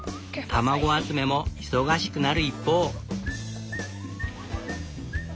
卵集めも忙しくなる一方。